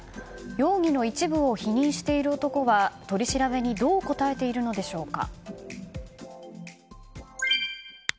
容疑の一部を否認している男は取り調べにどう答えているのでしょうか。